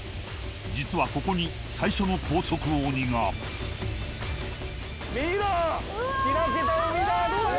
実はここに最初の高速鬼が見ろ！